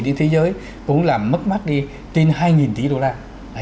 trên thế giới cũng làm mất mắt đi trên hai tỷ đô la